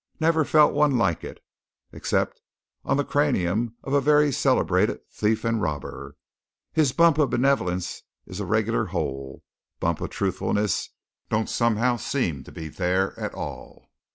Never felt one like it, 'xcept on th' cranium of a very celebrated thief an' robber. His bump of benev'lence 's a reg'lar hole. Bump of truthfulness don' somehow seem to be there at all.